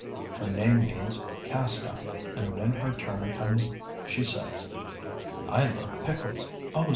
Her name means "Cast Out," and when her turn comes she says, "I love pickles, oh!